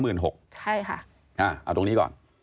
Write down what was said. เอาตรงนี้ก่อน